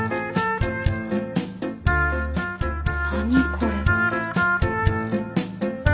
何これ。